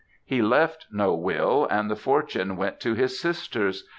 He left no will, and the fortune went to his sisters.